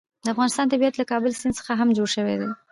د افغانستان طبیعت له کابل سیند څخه هم جوړ شوی دی.